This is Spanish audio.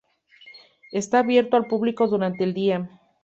Está abierto al público durante el día.